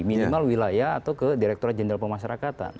minimal wilayah atau ke direkturat jenderal pemasyarakatan